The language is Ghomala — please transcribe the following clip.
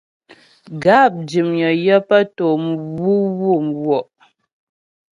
Gáp dʉmnyə yə pə́ tò mwǔmwù mgwɔ'.